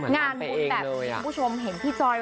งานบุญแบบนี้คุณผู้ชมเห็นพี่จอย